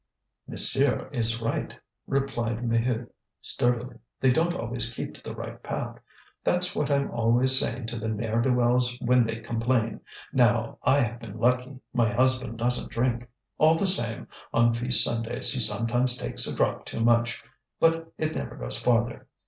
"Monsieur is right," replied Maheude sturdily. "They don't always keep to the right path. That's what I'm always saying to the ne'er do wells when they complain. Now, I have been lucky; my husband doesn't drink. All the same, on feast Sundays he sometimes takes a drop too much; but it never goes farther.